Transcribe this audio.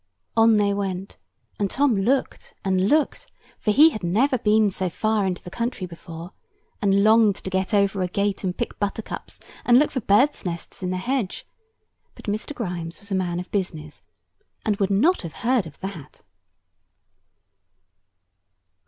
On they went; and Tom looked, and looked, for he never had been so far into the country before; and longed to get over a gate, and pick buttercups, and look for birds' nests in the hedge; but Mr. Grimes was a man of business, and would not have heard of that.